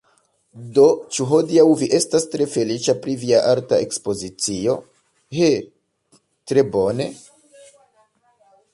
Do, ĉu hodiaŭ vi estas tre feliĉa pri via arta ekspozicio? eh... tre bone?